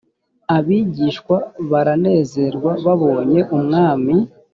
abigishwa baranezerwa babonye umwami